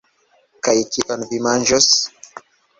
Kaj kion vi manĝos?